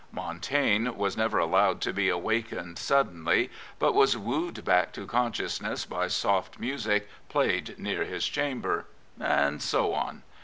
Montaigne was never allowed to be awakened suddenly, but was wooed back to consciousness by soft music played near his chamber. And so on.